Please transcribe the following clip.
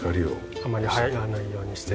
あまり入らないようにして。